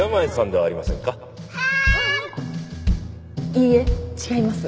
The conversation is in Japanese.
いいえ違います。